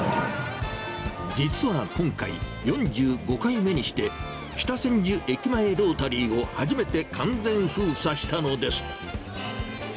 実は今回、４５回目にして、北千住駅前ロータリーを初めて完全封鎖したのです。